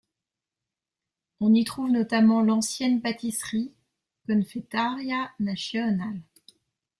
On y trouve notamment l'ancienne pâtisserie Confeitaria Nacional.